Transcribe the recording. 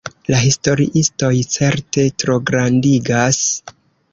La historiistoj certe trograndigas!